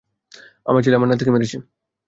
আমার ছেলে আমার নাতিকে মেরেছে।